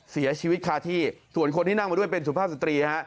เสียชีวิตคาที่ส่วนคนที่นั่งมาด้วยเป็นสุภาพสตรีฮะ